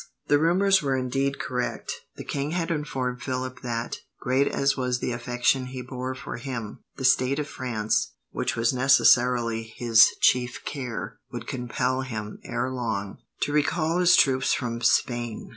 The rumours were indeed correct. The king had informed Philip that, great as was the affection he bore for him, the state of France, which was necessarily his chief care, would compel him, ere long, to recall his troops from Spain.